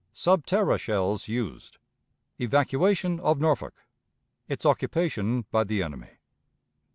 Sub terra Shells used. Evacuation of Norfolk. Its Occupation by the Enemy.